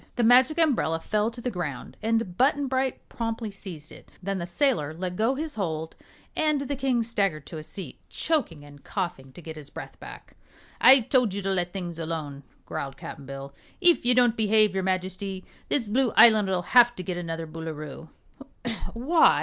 The Magic Umbrella fell to the ground and Button Bright promptly seized it. Then the sailor let go his hold and the King staggered to a seat, choking and coughing to get his breath back. "I told you to let things alone," growled Cap'n Bill. "If you don't behave, your Majesty, this Blue Island'll have to get another Boolooroo." "Why?"